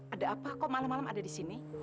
ada apa kok malam malam ada di sini